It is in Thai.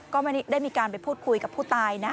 ก็ไม่ได้มีการไปพูดคุยกับผู้ตายนะ